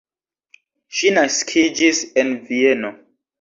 Ŝi naskiĝis en Vieno.